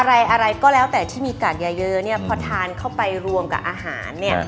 อะไรก็แล้วแต่ที่มีกากเยอะพอทานเข้าไปรวมกับอาหาร